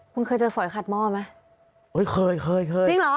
มึงเคยเจอฝอยขาดหม้อไหม